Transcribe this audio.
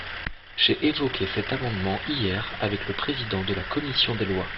J’ai évoqué cet amendement hier avec le président de la commission des lois.